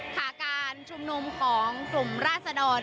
จอวนการจุบนุมของกลุ่มราชดร